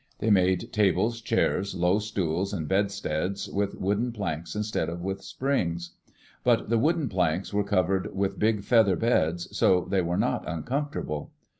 They made tables, chairs, low stools, and bedsteads with wooden planks instead of with springs. But the wooden planks were covered with big feather beds, so they were not uncomfortable.